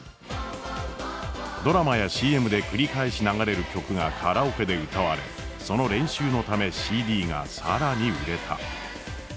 ドラマやＣＭで繰り返し流れる曲がカラオケで歌われその練習のためＣＤが更に売れた。